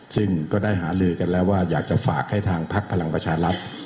ซึ่งก็ได้หาลือกันแล้วว่าอยากจะฝากให้ทางพักพลังประชารัฐ